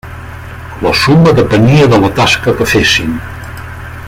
La suma depenia de la tasca que fessin.